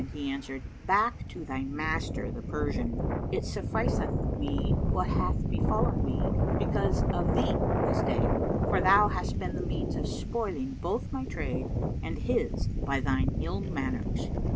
He answered, "Back to thy master the Persian; it sufficeth me what hath befallen me because of thee this day; for thou hast been the means of spoiling both my trade and his by thine ill manners."